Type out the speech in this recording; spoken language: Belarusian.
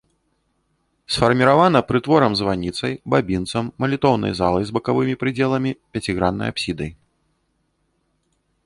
Сфарміравана прытворам-званіцай, бабінцам, малітоўнай залай з бакавымі прыдзеламі, пяціграннай апсідай.